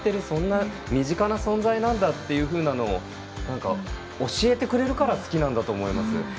そんな身近な存在なんだというのを教えてくれるから好きなんだと思います。